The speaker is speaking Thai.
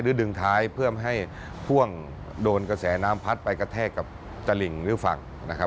หรือดึงท้ายเพิ่มให้พ่วงโดนกระแสน้ำพัดไปกระแทกกับจริงหรือฝั่ง